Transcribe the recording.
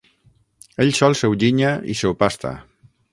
Ell sol s'ho ginya i s'ho pasta.